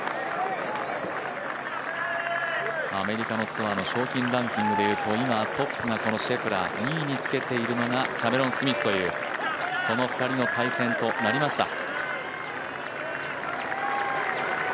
アメリカのツアーの賞金ランキングでいうと今、トップがシェフラー２位につけているのがキャメロン・スミスというその２人の対戦となりました。